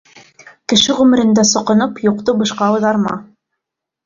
Кеше ғүмерендә соҡоноп, юҡты бушҡа ауҙарма.